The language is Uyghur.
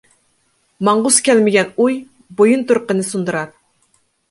ماڭغۇسى كەلمىگەن ئۇي، بويۇنتۇرۇقنى سۇندۇرار.